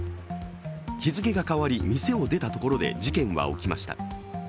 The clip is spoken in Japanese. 日付が変わり、店を出たところで事件は起きました。